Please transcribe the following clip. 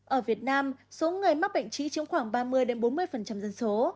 ở việt nam số người mắc bệnh chỉ chiếm khoảng ba mươi bốn mươi dân số